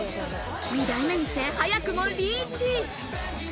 ２台目にして、早くもリーチ。